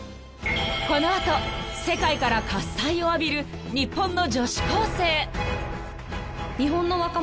［この後世界から喝采を浴びる日本の女子高生］